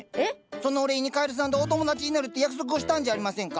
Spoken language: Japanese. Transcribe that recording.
そのお礼にカエルさんとお友達になるって約束をしたんじゃありませんか？